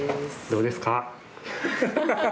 どうですか？